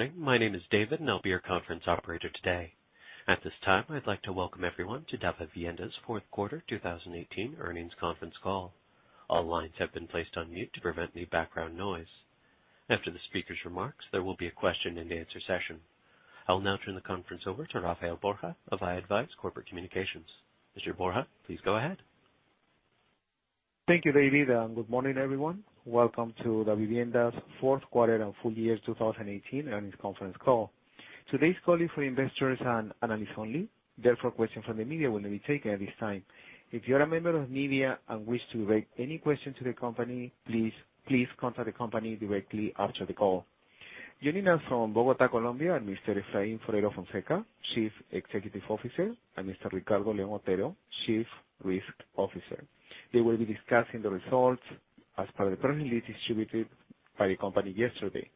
Good morning. My name is David, and I'll be your conference operator today. At this time, I'd like to welcome everyone to Davivienda's fourth quarter 2018 earnings conference call. All lines have been placed on mute to prevent any background noise. After the speaker's remarks, there will be a question and answer session. I will now turn the conference over to Rafael Borja of i-advize Corporate Communications. Mr. Borja, please go ahead. Thank you, David. Good morning, everyone. Welcome to Davivienda's fourth quarter and full year 2018 earnings conference call. Today's call is for investors and analysts only, therefore questions from the media will not be taken at this time. If you are a member of media and wish to direct any question to the company, please contact the company directly after the call. Joining us from Bogota, Colombia are Mr. Efraín Forero Fonseca, Chief Executive Officer, and Mr. Ricardo León Otero, Chief Risk Officer. They will be discussing the results as per the press release distributed by the company yesterday.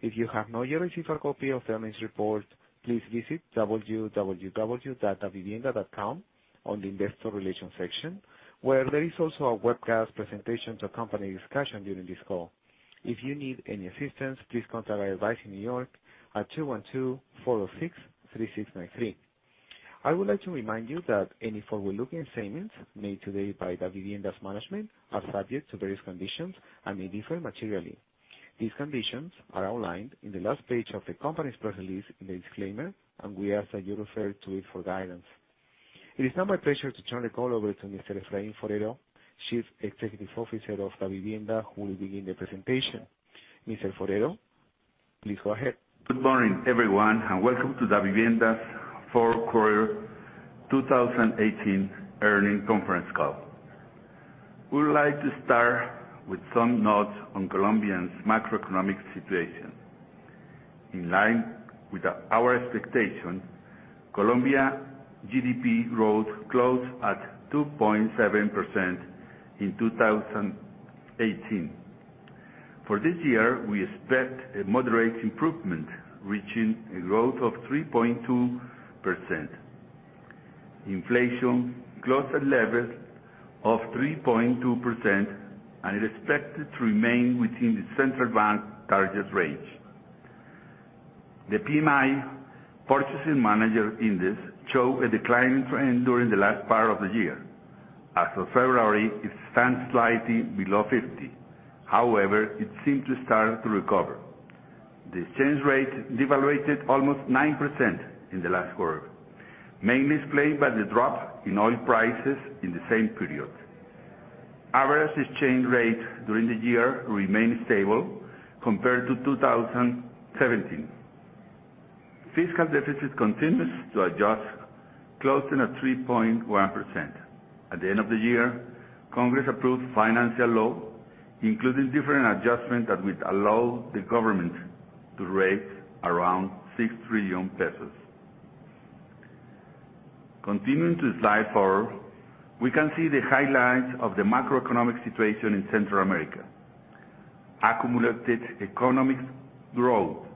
If you have not yet received a copy of the earnings report, please visit www.davivienda.com on the investor relation section, where there is also a webcast presentation to accompany discussion during this call. If you need any assistance, please contact i-advize in New York at 212-406-3693. I would like to remind you that any forward-looking statements made today by Davivienda's management are subject to various conditions and may differ materially. These conditions are outlined in the last page of the company's press release in the disclaimer. We ask that you refer to it for guidance. It is now my pleasure to turn the call over to Mr. Efraín Forero, Chief Executive Officer of Davivienda, who will begin the presentation. Mr. Forero, please go ahead. Good morning, everyone. Welcome to Davivienda's fourth quarter 2018 earnings conference call. We would like to start with some notes on Colombia's macroeconomic situation. In line with our expectations, Colombia GDP growth closed at 2.7% in 2018. For this year, we expect a moderate improvement, reaching a growth of 3.2%. Inflation closed at level of 3.2%. It is expected to remain within the central bank target range. The PMI, Purchasing Managers' Index, show a declining trend during the last part of the year. As of February, it stands slightly below 50. However, it seems to start to recover. The exchange rate devaluated almost 9% in the last quarter, mainly explained by the drop in oil prices in the same period. Average exchange rate during the year remained stable compared to 2017. Fiscal deficit continues to adjust, closing at 3.1%. At the end of the year, Congress approved financial law, including different adjustments that would allow the government to raise around COP 6 trillion. Continuing to slide forward, we can see the highlights of the macroeconomic situation in Central America. Accumulated economic growth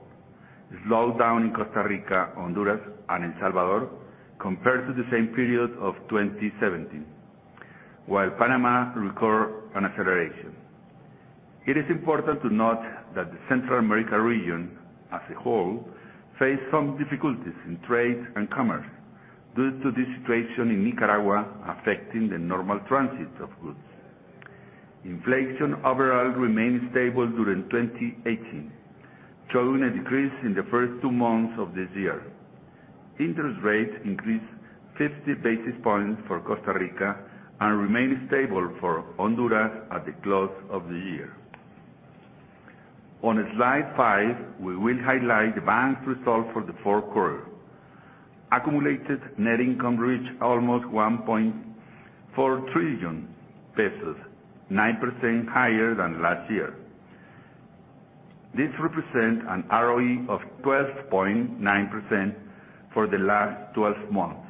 slowed down in Costa Rica, Honduras, and El Salvador compared to the same period of 2017, while Panama recorded an acceleration. It is important to note that the Central America region as a whole faced some difficulties in trade and commerce due to the situation in Nicaragua affecting the normal transit of goods. Inflation overall remained stable during 2018, showing a decrease in the first two months of this year. Interest rates increased 50 basis points for Costa Rica and remained stable for Honduras at the close of the year. On slide five, we will highlight the bank's results for the fourth quarter. Accumulated net income reached almost COP 1.4 trillion, 9% higher than last year. This represents an ROE of 12.9% for the last 12 months.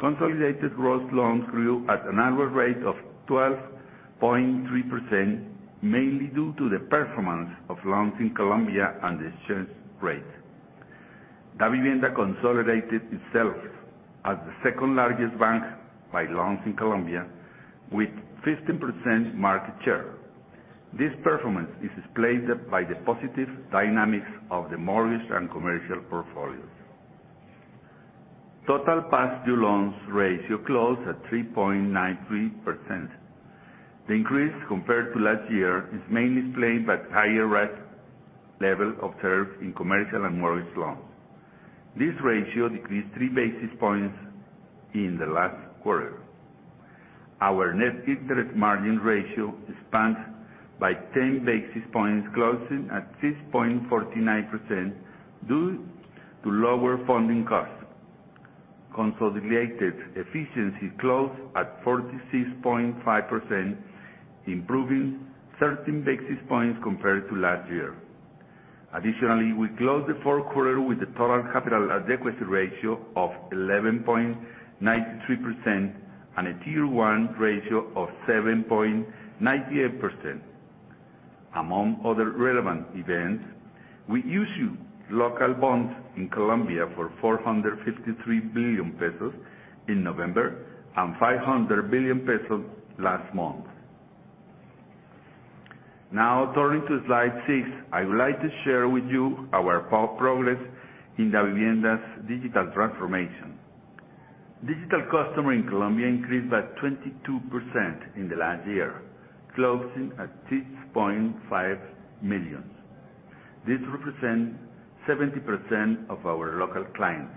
Consolidated gross loans grew at an annual rate of 12.3%, mainly due to the performance of loans in Colombia and the exchange rate. Davivienda consolidated itself as the second largest bank by loans in Colombia with 15% market share. This performance is explained by the positive dynamics of the mortgage and commercial portfolios. Total past due loans ratio closed at 3.93%. The increase compared to last year is mainly explained by higher risk level observed in commercial and mortgage loans. This ratio decreased three basis points in the last quarter. Our net interest margin ratio expanded by 10 basis points, closing at 6.49% due to lower funding costs. Consolidated efficiency closed at 46.5%, improving 13 basis points compared to last year. Additionally, we closed the fourth quarter with a total capital adequacy ratio of 11.93% and a Tier 1 ratio of 7.98%. Among other relevant events, we issued local bonds in Colombia for COP 453 billion in November and COP 500 billion last month. Turning to slide six, I would like to share with you our progress in Davivienda's digital transformation. Digital customer in Colombia increased by 22% in the last year, closing at 6.5 million. This represents 70% of our local clients.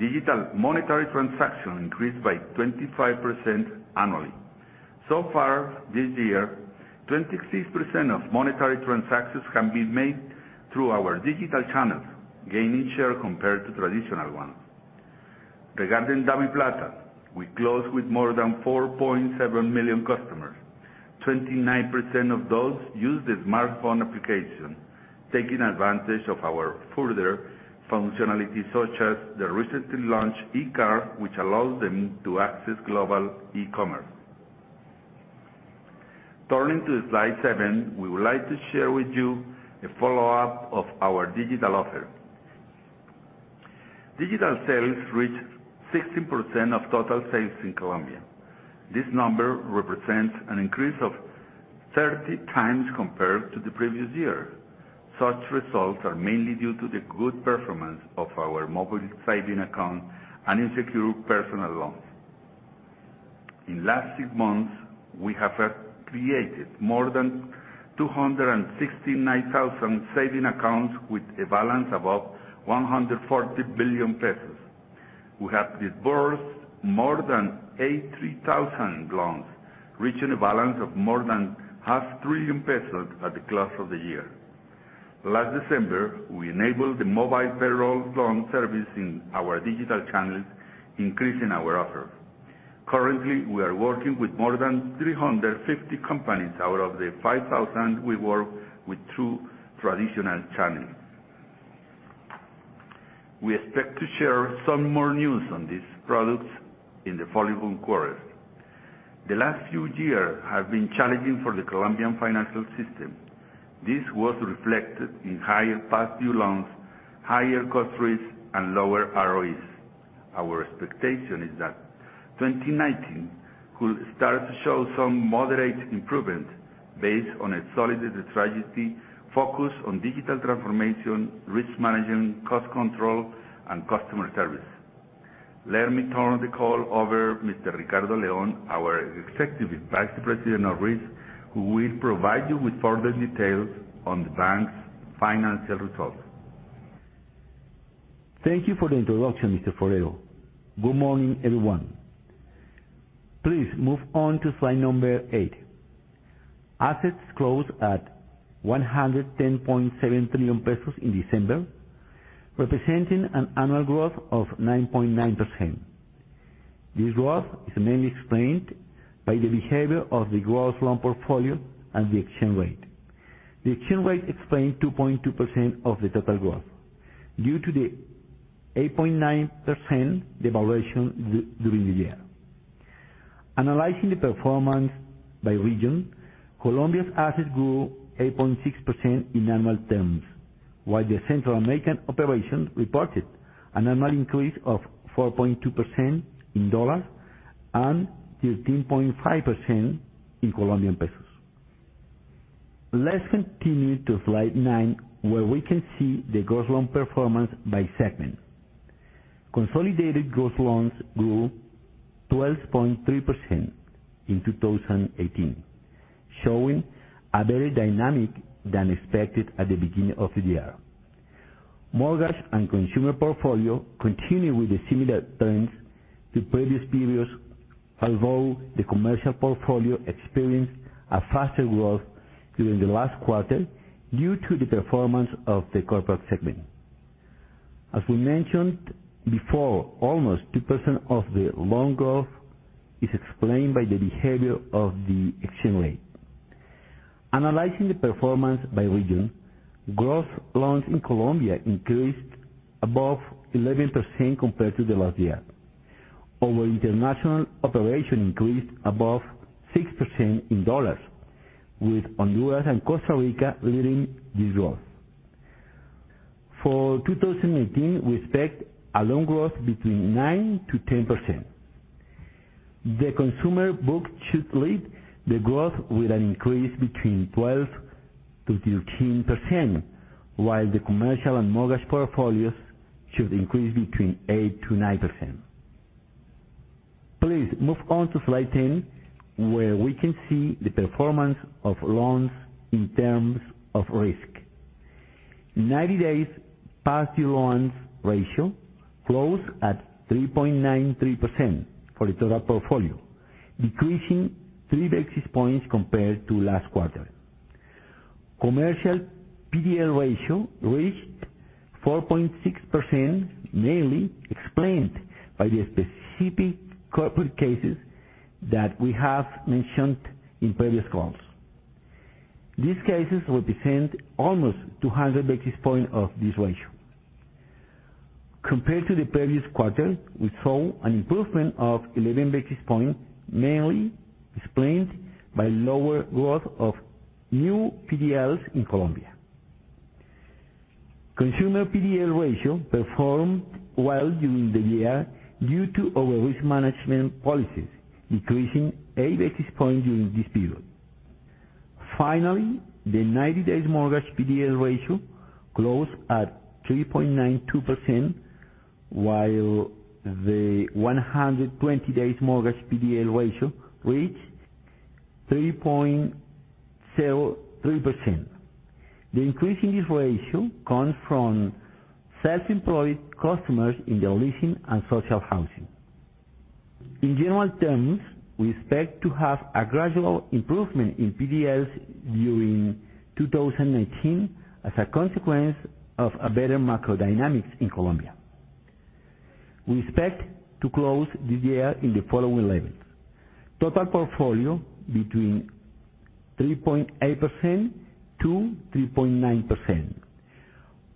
Digital monetary transaction increased by 25% annually. So far this year, 26% of monetary transactions have been made through our digital channels, gaining share compared to traditional ones. Regarding DaviPlata, we closed with more than 4.7 million customers. 29% of those use the smartphone application, taking advantage of our further functionalities, such as the recently launched eCard, which allows them to access global e-commerce. Turning to slide seven, we would like to share with you a follow-up of our digital offer. Digital sales reached 16% of total sales in Colombia. This number represents an increase of 30 times compared to the previous year. Such results are mainly due to the good performance of our mobile saving account and in secure personal loans. In last six months, we have created more than 269,000 saving accounts with a balance above COP 140 billion. We have disbursed more than 83,000 loans, reaching a balance of more than half trillion COP at the close of the year. Last December, we enabled the mobile payroll loan service in our digital channels, increasing our offer. Currently, we are working with more than 350 companies out of the 5,000 we work with through traditional channels. We expect to share some more news on these products in the following quarters. The last few years have been challenging for the Colombian financial system. This was reflected in higher past due loans, higher cost risks, and lower ROEs. Our expectation is that 2019 will start to show some moderate improvement based on a solid strategy focused on digital transformation, risk management, cost control, and customer service. Let me turn the call over Mr. Ricardo León, our Executive Vice President of Risk, who will provide you with further details on the bank's financial results. Thank you for the introduction, Mr. Forero. Good morning, everyone. Please move on to slide number eight. Assets closed at COP 110.7 trillion in December, representing an annual growth of 9.9%. This growth is mainly explained by the behavior of the gross loan portfolio and the exchange rate. The exchange rate explained 2.2% of the total growth due to the 8.9% devaluation during the year. Analyzing the performance by region, Colombia's assets grew 8.6% in annual terms, while the Central American operation reported an annual increase of 4.2% in USD and 13.5% in COP. Let's continue to slide nine, where we can see the gross loan performance by segment. Consolidated gross loans grew 12.3% in 2018, showing a very dynamic than expected at the beginning of the year. Mortgage and consumer portfolio continue with the similar trends to previous periods, although the commercial portfolio experienced a faster growth during the last quarter due to the performance of the corporate segment. As we mentioned before, almost 2% of the loan growth is explained by the behavior of the exchange rate. Analyzing the performance by region, gross loans in Colombia increased above 11% compared to the last year. Our international operation increased above 6% in USD, with Honduras and Costa Rica leading this growth. For 2018, we expect a loan growth between 9%-10%. The consumer book should lead the growth with an increase between 12%-13%, while the commercial and mortgage portfolios should increase between 8%-9%. Please move on to slide 10, where we can see the performance of loans in terms of risk. 90 days past due loans ratio closed at 3.93% for the total portfolio, decreasing 3 basis points compared to last quarter. Commercial PDL ratio reached 4.6%, mainly explained by the specific corporate cases that we have mentioned in previous calls. These cases represent almost 200 basis points of this ratio. Compared to the previous quarter, we saw an improvement of 11 basis points, mainly explained by lower growth of new PDLs in Colombia. Consumer PDL ratio performed well during the year due to our risk management policies, increasing 8 basis points during this period. Finally, the 90-days mortgage PDL ratio closed at 3.92%, while the 120-days mortgage PDL ratio reached 3.03%. The increase in this ratio comes from self-employed customers in the leasing and social housing. In general terms, we expect to have a gradual improvement in PDLs during 2019 as a consequence of better macro dynamics in Colombia. We expect to close the year in the following levels. Total portfolio between 3.8%-3.9%.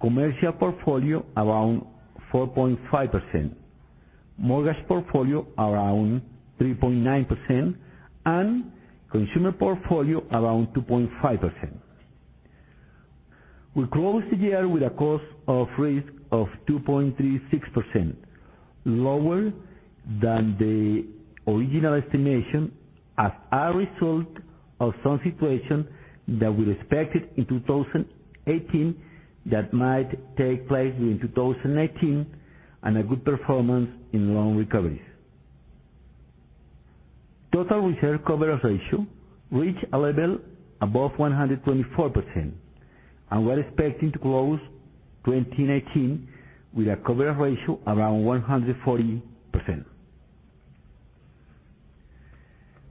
Commercial portfolio around 4.5%. Mortgage portfolio around 3.9%, and consumer portfolio around 2.5%. We close the year with a cost of risk of 2.36%, lower than the original estimation as a result of some situation that we expected in 2018 that might take place during 2019, and a good performance in loan recoveries. Total reserve coverage ratio reached a level above 124%, and we're expecting to close 2019 with a coverage ratio around 140%.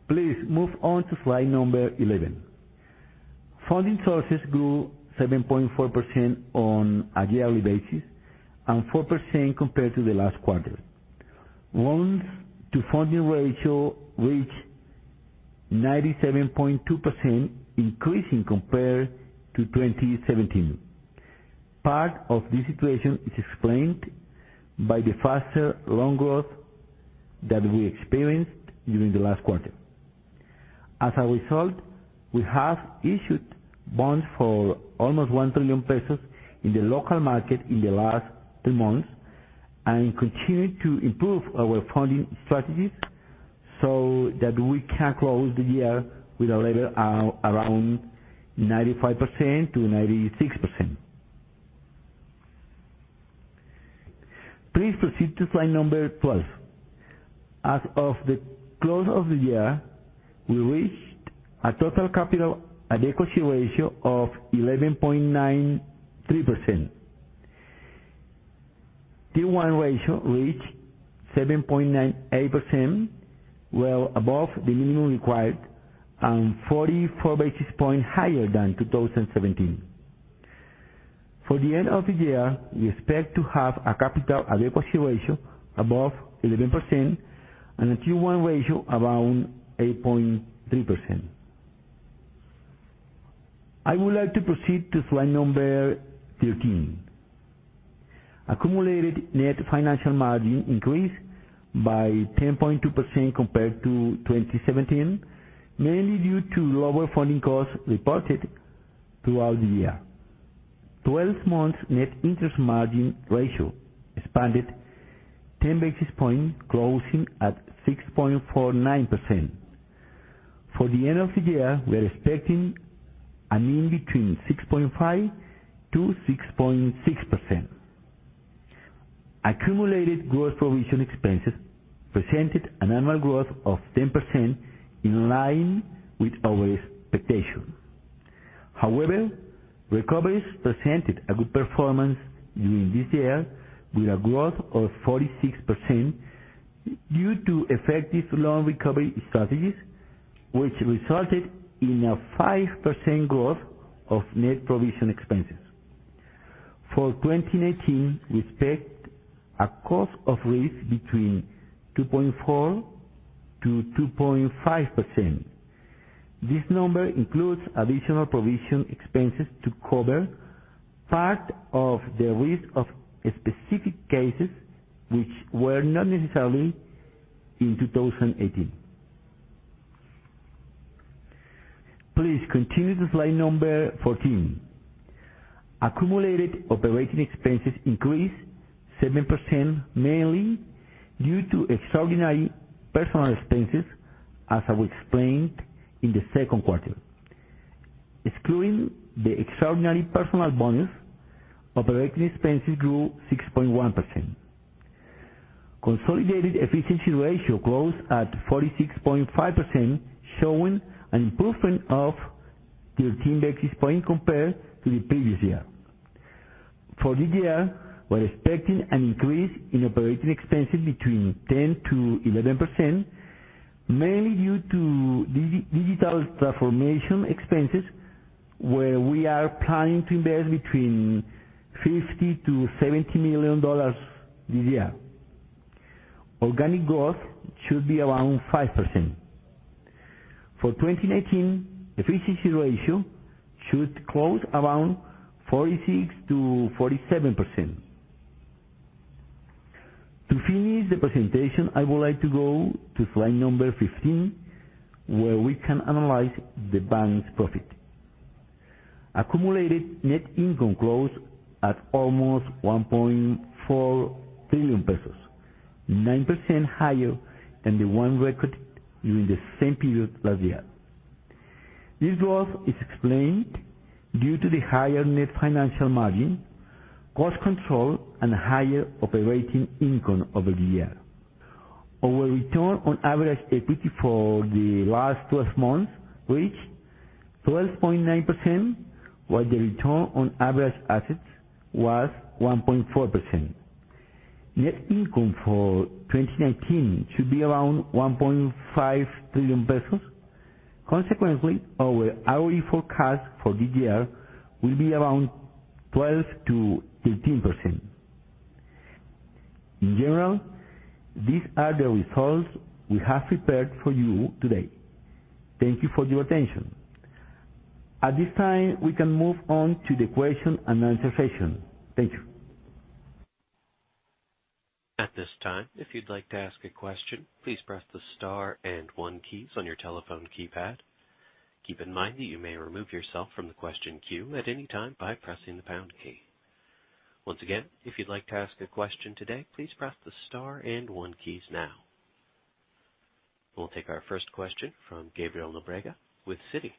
Please move on to slide number 11. Funding sources grew 7.4% on a yearly basis and 4% compared to the last quarter. Loans to funding ratio reached 97.2%, increasing compared to 2017. Part of this situation is explained by the faster loan growth that we experienced during the last quarter. We have issued bonds for almost COP 1 trillion in the local market in the last three months and continue to improve our funding strategies so that we can close the year with a level around 95%-96%. Please proceed to slide number 12. As of the close of the year, we reached a total capital adequacy ratio of 11.93%. Tier 1 ratio reached 7.98%, well above the minimum required, and 44 basis points higher than 2017. For the end of the year, we expect to have a capital adequacy ratio above 11% and a Tier 1 ratio around 8.3%. I would like to proceed to slide number 13. Accumulated net financial margin increased by 10.2% compared to 2017, mainly due to lower funding costs reported throughout the year. Twelve months net interest margin ratio expanded 10 basis points, closing at 6.49%. For the end of the year, we are expecting a mean between 6.5%-6.6%. Accumulated gross provision expenses presented an annual growth of 10%, in line with our expectations. However, recoveries presented a good performance during this year with a growth of 46% due to effective loan recovery strategies, which resulted in a 5% growth of net provision expenses. For 2019, we expect a cost of risk between 2.4%-2.5%. This number includes additional provision expenses to cover part of the risk of specific cases which were not necessarily in 2018. Please continue to slide number 14. Accumulated operating expenses increased 7%, mainly due to extraordinary personal expenses, as I explained in the second quarter. Excluding the extraordinary personal bonus, operating expenses grew 6.1%. Consolidated efficiency ratio closed at 46.5%, showing an improvement of 13 basis points compared to the previous year. For this year, we're expecting an increase in operating expenses between 10%-11%, mainly due to digital transformation expenses, where we are planning to invest between COP 50 million-COP 70 million this year. Organic growth should be around 5%. For 2019, efficiency ratio should close around 46%-47%. To finish the presentation, I would like to go to slide number 15, where we can analyze the bank's profit. Accumulated net income closed at almost COP 1.4 trillion, 9% higher than the one recorded during the same period last year. This growth is explained due to the higher net financial margin, cost control, and higher operating income over the year. Our return on average equity for the last 12 months reached 12.9%, while the return on average assets was 1.4%. Net income for 2019 should be around COP 1.5 trillion. Our ROE forecast for this year will be around 12%-13%. In general, these are the results we have prepared for you today. Thank you for your attention. At this time, we can move on to the question and answer session. Thank you. At this time, if you'd like to ask a question, please press the star and one keys on your telephone keypad. Keep in mind that you may remove yourself from the question queue at any time by pressing the pound key. Once again, if you'd like to ask a question today, please press the star and one keys now. We'll take our first question from Gabriel Nóbrega with Citi.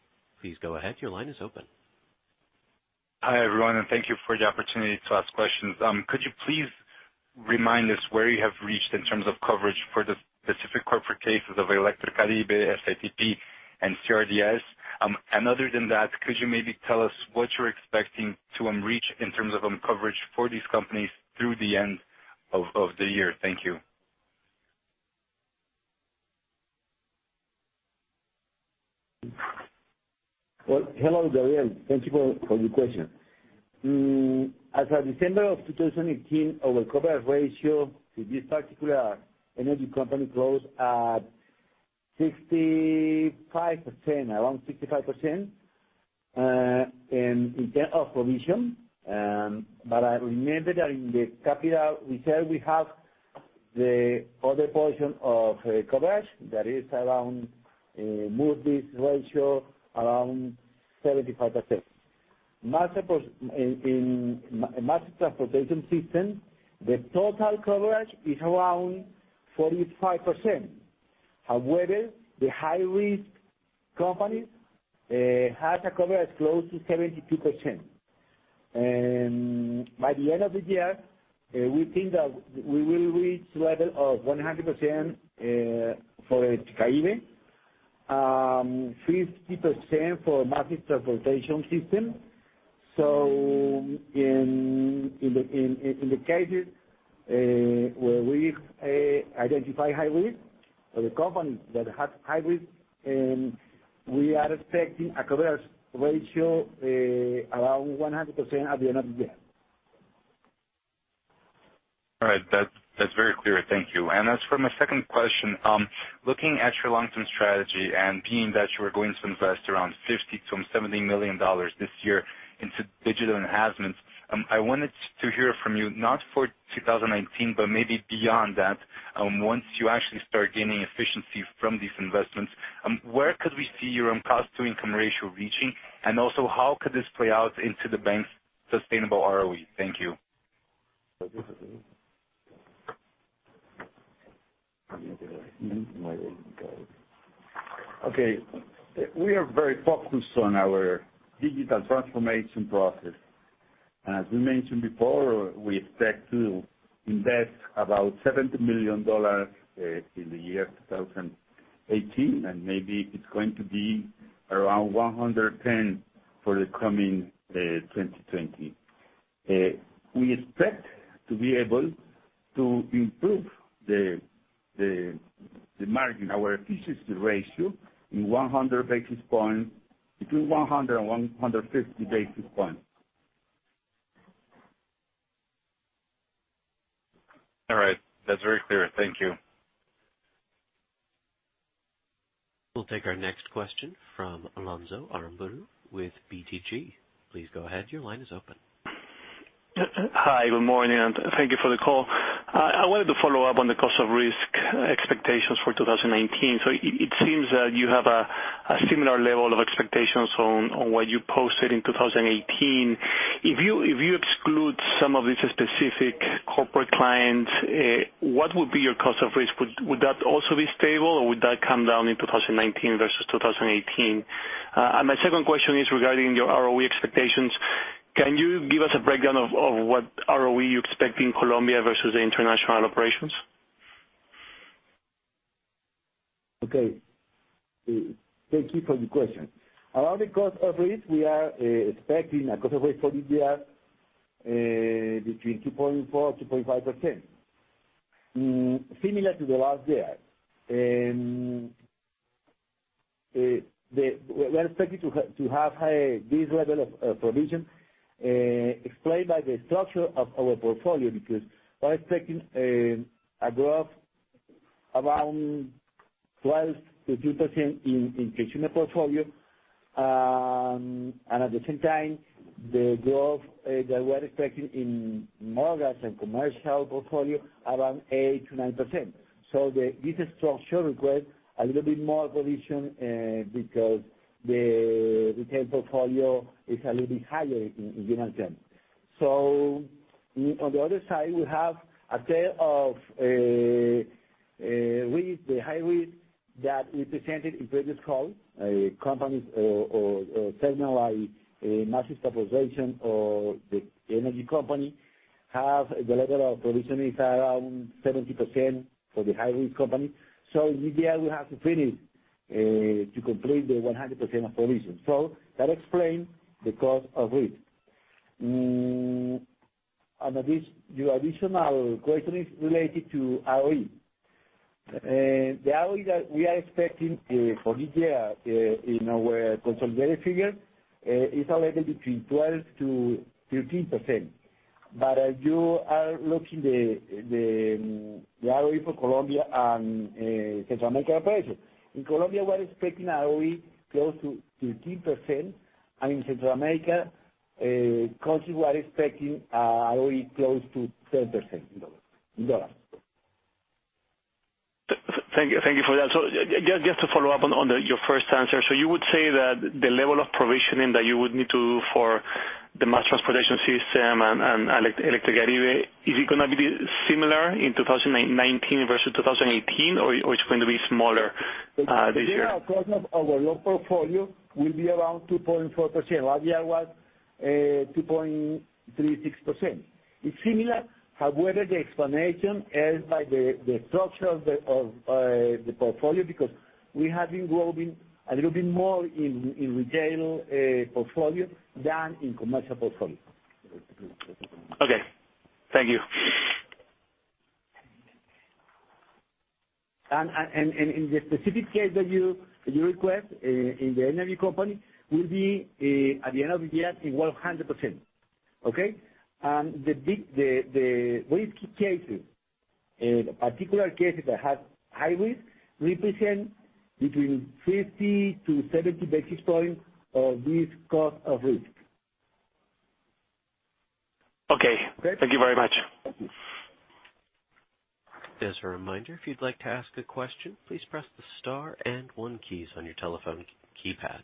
Please go ahead. Your line is open. Hi, everyone, thank you for the opportunity to ask questions. Could you please remind us where you have reached in terms of coverage for the specific corporate cases of Electricaribe, SITP, and RDS? Other than that, could you maybe tell us what you're expecting to reach in terms of coverage for these companies through the end of the year? Thank you. Well, hello, Gabriel. Thank you for your question. As of December of 2018, our coverage ratio to this particular energy company grows at 65%, around 65%, in terms of provision. Remember that in the capital reserve, we have the other portion of coverage that is around Moody's ratio, around 75%. In mass transportation systems, the total coverage is around 45%. However, the high-risk companies have a coverage close to 72%. By the end of the year, we think that we will reach level of 100% for Electricaribe, 50% for mass transportation system. In the cases, where we identify high risk or the company that has high risk, we are expecting a coverage ratio around 100% at the end of the year. All right. That's very clear. Thank you. As for my second question, looking at your long-term strategy and being that you are going to invest around COP 50 million-COP 70 million this year into digital enhancements, I wanted to hear from you, not for 2019, but maybe beyond that, once you actually start gaining efficiency from these investments, where could we see your own cost-to-income ratio reaching, and also, how could this play out into the bank's sustainable ROE? Thank you. Okay. We are very focused on our digital transformation process. As we mentioned before, we expect to invest about COP 70 million in the year 2018. Maybe it's going to be around COP 110 million for the coming 2020. We expect to be able to improve the margin, our efficiency ratio, in 100 basis points, between 100 basis points and 150 basis points. All right. That's very clear. Thank you. We'll take our next question from Alonso Aramburu with BTG. Please go ahead. Your line is open. Hi. Good morning, and thank you for the call. I wanted to follow up on the cost of risk expectations for 2019. It seems that you have a similar level of expectations on what you posted in 2018. If you exclude some of these specific corporate clients, what would be your cost of risk? Would that also be stable, or would that come down in 2019 versus 2018? My second question is regarding your ROE expectations. Can you give us a breakdown of what ROE you expect in Colombia versus the international operations? Okay. Thank you for your question. Around the cost of risk, we are expecting a cost of risk for this year between 2.4%-2.5%, similar to the last year. We are expecting to have this level of provision explained by the structure of our portfolio because we are expecting a growth around 12%-13% in consumer portfolio. At the same time, the growth that we're expecting in mortgage and commercial portfolio, around 8%-9%. This structure requires a little bit more provision, because the retail portfolio is a little bit higher in general terms. On the other side, we have a set of risks, the high risk that we presented in previous call, companies or entities like the mass transportation system or Electricaribe, have the level of provisioning is around 70% for the high-risk company. This year we have to finish to complete the 100% of provision. That explains the cost of risk. Your additional question is related to ROE. The ROE that we are expecting for this year in our consolidated figure, is a level between 12%-13%. You are looking the ROE for Colombia and Central America operation. In Colombia, we are expecting ROE close to 13%, and in Central America country, we are expecting ROE close to 10% in USD. Thank you for that. Just to follow up on your first answer, you would say that the level of provisioning that you would need to for the mass transportation system and Electricaribe, is it going to be similar in 2019 versus 2018, or it's going to be smaller this year? The level of coverage of our loan portfolio will be around 2.4%. Last year was 2.36%. It's similar, however, the explanation is by the structure of the portfolio because we have been growing a little bit more in retail portfolio than in commercial portfolio. Okay. Thank you. In the specific case that you request, in the energy company, at the end of the year, it will 100%. Okay? The risk cases, particular cases that have high risk, represent between 50 to 70 basis points of this cost of risk. Okay. Okay? Thank you very much. Just a reminder, if you'd like to ask a question, please press the star and one keys on your telephone keypad.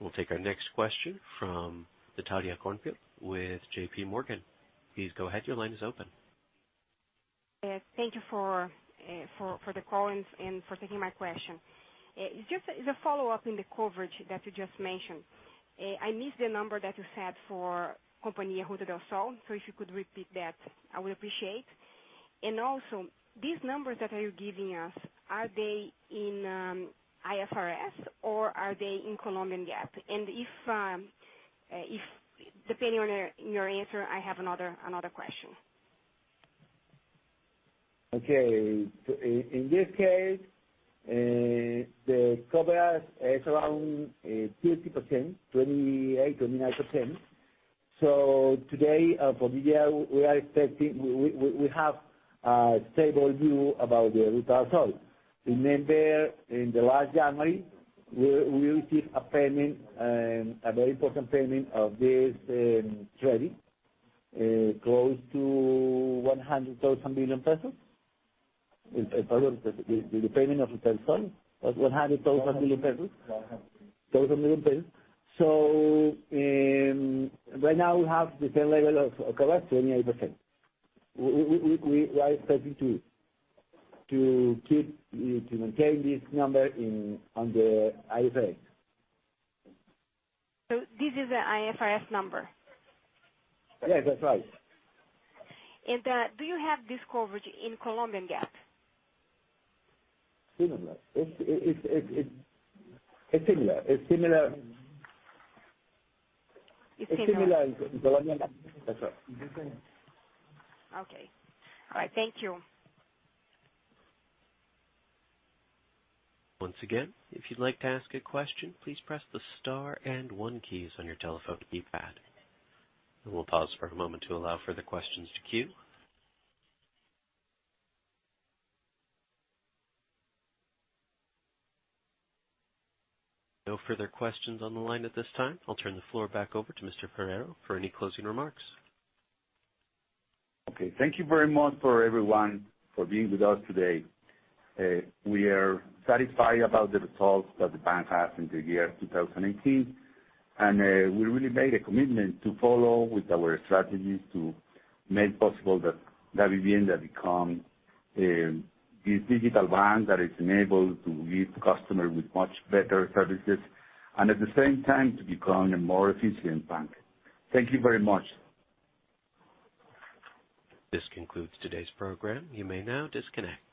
We'll take our next question from Natalia Corfield with J.P. Morgan. Please go ahead, your line is open. Thank you for the call and for taking my question. Just as a follow-up in the coverage that you just mentioned. I missed the number that you said for Concesionaria Ruta del Sol, so if you could repeat that, I would appreciate. Also, these numbers that you're giving us, are they in IFRS or are they in Colombian GAAP? Depending on your answer, I have another question. Okay. In this case, the coverage is around 30%, 28%, 29%. Today, for this year, we have a stable view about the Ruta del Sol. Remember, in the last January, we will receive a very important payment of this credit, close to COP 100,000 million. The payment of Ruta del Sol was COP 100,000 million. Right now we have the same level of coverage, 28%. We are expecting to maintain this number on the IFRS. This is the IFRS number? Yes, that's right. Do you have this coverage in Colombian GAAP? Similar. It's similar. It's similar. It's similar in Colombian GAAP. That's right. Okay. All right. Thank you. Once again, if you'd like to ask a question, please press the star and one keys on your telephone keypad. We will pause for a moment to allow further questions to queue. No further questions on the line at this time. I'll turn the floor back over to Mr. Forero for any closing remarks. Okay. Thank you very much for everyone for being with us today. We are satisfied about the results that the bank has in the year 2018. We really made a commitment to follow with our strategy to make possible that Davivienda become this digital bank that is enabled to give customer with much better services, and at the same time, to become a more efficient bank. Thank you very much. This concludes today's program. You may now disconnect.